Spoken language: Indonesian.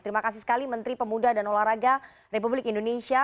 terima kasih sekali menteri pemuda dan olahraga republik indonesia